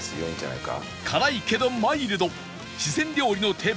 辛いけどマイルド四川料理の定番